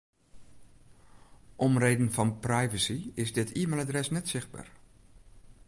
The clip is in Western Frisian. Om reden fan privacy is it e-mailadres net sichtber.